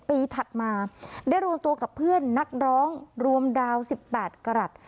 ถัดมาได้รวมตัวกับเพื่อนนักร้องรวมดาว๑๘กรัฐ